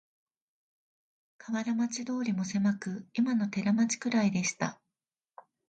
河原町通もせまく、いまの寺町くらいでした